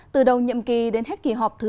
từ đầu nhiệm kỳ đến hết kỳ họp thứ sáu